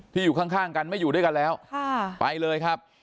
อยู่ข้างกันไม่อยู่ด้วยกันแล้วไปเลยครับ